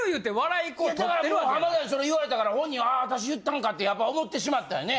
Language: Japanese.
いやだから浜田にそれ言われたから本人はああ私言ったんかってやっぱ思ってしまったんやね。